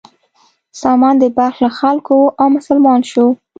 سامان د بلخ له خلکو و او مسلمان شو.